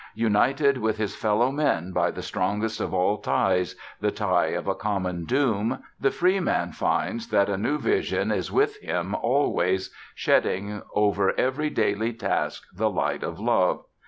United with his fellow men by the strongest of all ties, the tie of a common doom, the free man finds that a new vision is with him always, shedding over every daily task the light of love.